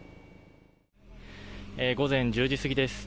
午前１０時過ぎです。